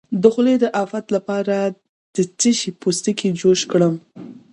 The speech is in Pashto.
د خولې د افت لپاره د څه شي پوستکی جوش کړم؟